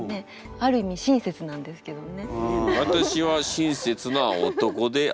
ある意味親切なんですけどもね。